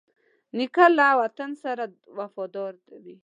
نیکه له وطن سره وفادار وي.